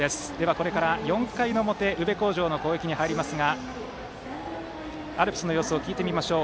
これから４回の表宇部鴻城の攻撃に入りますがアルプスの様子聞いてみましょう。